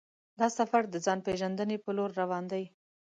دا سفر د ځان پېژندنې پر لور روان دی.